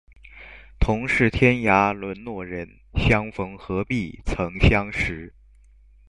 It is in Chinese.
同是天涯沦落人，相逢何必曾相识